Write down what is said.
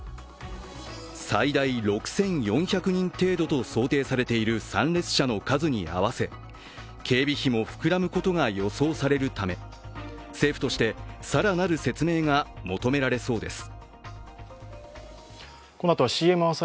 最大６４００人程度と想定されている参列者の数に合わせ警備費も膨らむことが予想されるため、政府として更なる説明が求められそうです。